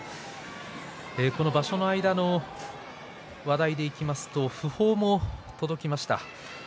この場所の間の話題にいきますと訃報もありました。